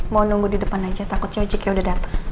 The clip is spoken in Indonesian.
mau nunggu di depan aja takutnya ojeknya udah datang